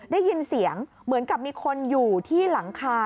ได้ยินเสียงเหมือนกับมีคนอยู่ที่หลังคา